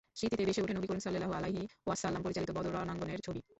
স্মৃতিতে ভেসে ওঠে নবী করীম সাল্লাল্লাহু আলাইহি ওয়াসাল্লাম পরিচালিত বদর রণাঙ্গনের ছবি।